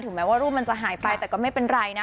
แม้ว่ารูปมันจะหายไปแต่ก็ไม่เป็นไรนะ